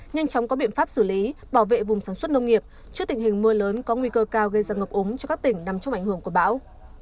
nhanh chóng có biện pháp xử lý bảo vệ vùng sản xuất nông nghiệp trước tình hình mưa lớn có nguy cơ cao gây ra ngập ống cho các tỉnh nằm trong ảnh hưởng của bão